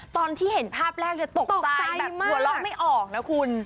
ตอนที่เห็นภาพแรกตกใจแบบหัวเราะไม่ออกนะคุณ